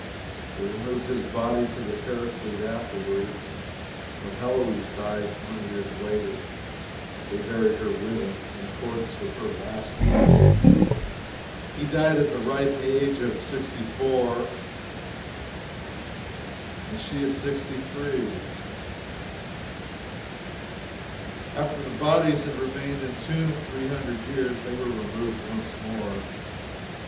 They removed his body to the Paraclete afterward, and when Heloise died, twenty years later, they buried her with him, in accordance with her last wish. He died at the ripe age of 64, and she at 63. After the bodies had remained entombed three hundred years, they were removed once more.